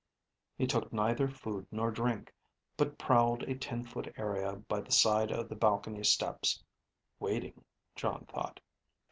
He took neither food nor drink, but prowled a ten foot area by the side of the balcony steps. Waiting, Jon thought.